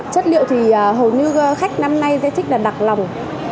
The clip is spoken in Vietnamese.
chất liệu thì hầu như khách năm nay sẽ thích là đặc lòng